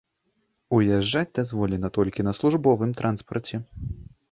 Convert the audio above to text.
Уязджаць дазволена толькі на службовым транспарце.